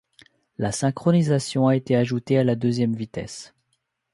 La synchronisation a été ajouté à la deuxième vitesse.